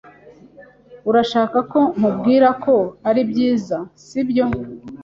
Urashaka ko nkubwira ko ari byiza, sibyo?